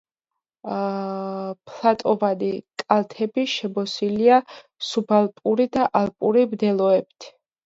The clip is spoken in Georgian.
ფლატოვანი კალთები შემოსილია სუბალპური და ალპური მდელოებით.